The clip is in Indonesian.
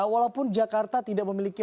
walaupun jakarta tidak memiliki